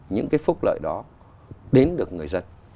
những cái phúc lợi đó đến được người dân